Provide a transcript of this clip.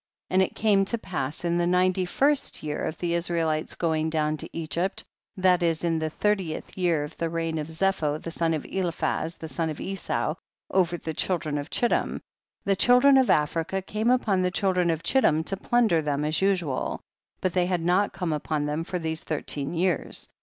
25. And it came to pass in the ninety first year of the Israelites go ing down to Egypt, that is in the thirtieth year of the reign of Zepho the son of Eliphaz, the son of Esau, over the children of Chittim, the children of Africa came upon the children of Chitlim to plinider them as usual, but they had not come upon them for these thirteen years.